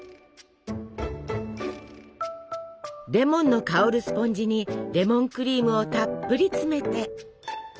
レモンの香るスポンジにレモンクリームをたっぷり詰めて。